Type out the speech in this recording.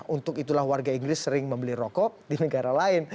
untuk itulah warga inggris sering membeli rokok di negara lain